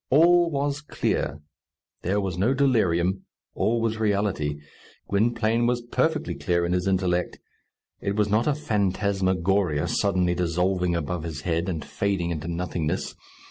All was clear. There was no delirium. All was reality. Gwynplaine was perfectly clear in his intellect. It was not a phantasmagoria, suddenly dissolving above his head, and fading into nothingness.